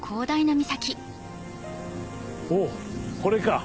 おうこれか。